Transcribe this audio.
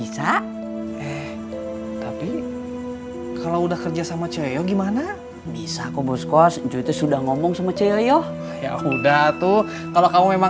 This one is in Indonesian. sampai jumpa di video selanjutnya